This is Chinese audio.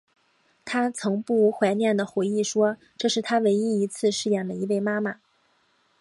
她曾不无怀念的回忆说这是她唯一一次饰演了一位妈妈。